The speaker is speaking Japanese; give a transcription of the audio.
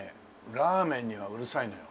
ラーメンにはうるさいのよ。